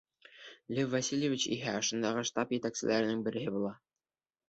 Лев Васильевич иһә ошондағы штаб етәкселәренең береһе була.